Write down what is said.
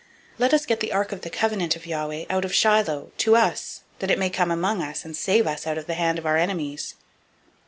Let us get the ark of the covenant of Yahweh out of Shiloh to us, that it may come among us, and save us out of the hand of our enemies.